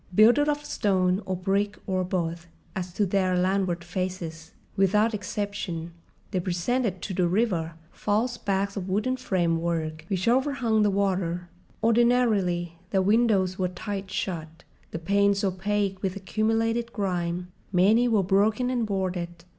Builded of stone or brick or both as to their landward faces, without exception they presented to the river false backs of wooden framework which overhung the water. Ordinarily, their windows were tight shut, the panes opaque with accumulated grime—many were broken and boarded.